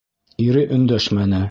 Ире өндәшмәне.